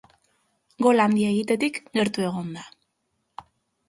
Gol handia egitetik gertu egon da.